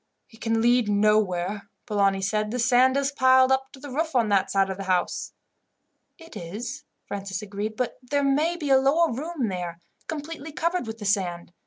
"It can lead nowhere," Polani said. "The sand is piled up to the roof on that side of the house." "It is," Francis agreed; "but there may be a lower room there, completely covered with the sand.